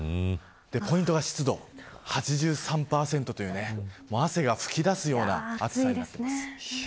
ポイントが湿度８３％という汗が噴き出すような暑さになっています。